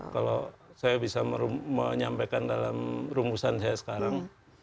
kalau saya bisa menyampaikan dalam rumusan saya sekarang